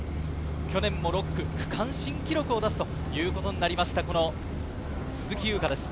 去年も６区、区間新記録を出すということになった鈴木優花です。